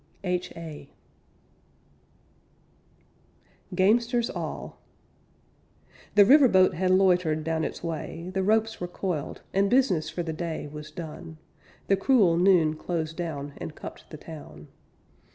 H.A. GAMESTERS ALL The river boat had loitered down its way; The ropes were coiled, and business for the day Was done. The cruel noon closed down And cupped the town.